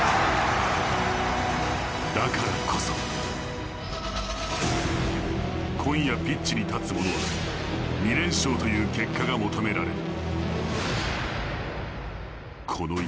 だからこそ、今夜ピッチに立つ者は２連勝という結果が求められる。